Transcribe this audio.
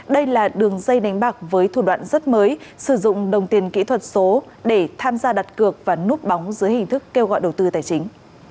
đây là đường dây đánh bạc với thủ đoạn rất mới sử dụng đồng tiền kỹ thuật số để tham gia đặt cược và núp bóng dưới hình thức kêu gọi đầu tư tài chính